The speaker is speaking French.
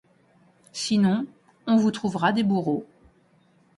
sinon on vous trouvera des bourreaux.